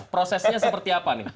prosesnya seperti apa nih